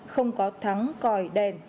không có thắng còi đèn